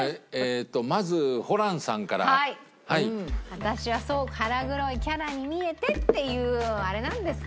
私はすごく腹黒いキャラに見えてっていうあれなんですから。